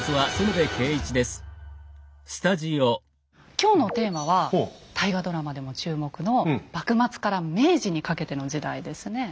今日のテーマは大河ドラマでも注目の幕末から明治にかけての時代ですね。